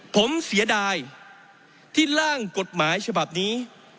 ผมเสียดายที่ร่างกฎหมายฉบับนี้